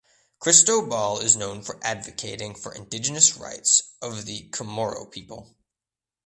Cristobal is known for advocating for indigenous rights of the Chamorro people.